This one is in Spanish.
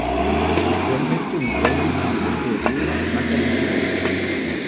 Actualmente un roble y un monumento de piedra marcan el terreno.